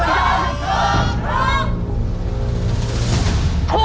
ถูกถูกถูกถูก